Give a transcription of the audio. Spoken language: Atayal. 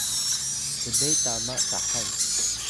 ble tama cahay